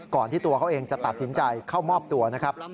ที่ตัวเขาเองจะตัดสินใจเข้ามอบตัวนะครับ